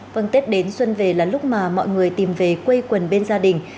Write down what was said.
vâng tết đến xuân về là lúc mà mọi người tìm về quê quần bên gia đình